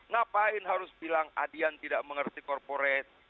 ngapain harus bilang adian tidak mengerti korporat